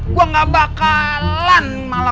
gue ngambil duit buat arka gendiro dar